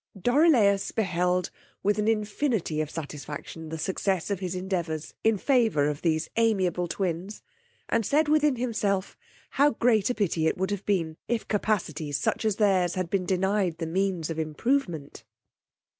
Dorilaus beheld with an infinity of satisfaction the success of his endeavours, in favour of these amiable twins, and said within himself, how great a pity would it have been, if capacities such as theirs had been denied the means of improvement!